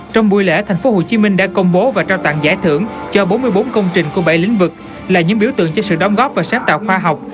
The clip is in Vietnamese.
trong buổi lễ tp hcm đã công bố và trao tặng giải thưởng cho bốn mươi bốn công trình của bảy lĩnh vực là những biểu tượng cho sự đóng góp và sáng tạo khoa học